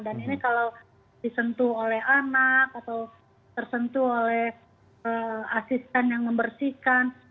ini kalau disentuh oleh anak atau tersentuh oleh asisten yang membersihkan